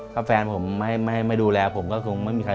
เปลี่ยนเพลงเพลงเก่งของคุณและข้ามผิดได้๑คำ